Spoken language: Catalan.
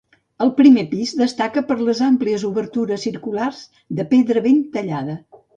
El primer pis destaca per les àmplies obertures circulars de pedra ben tallada.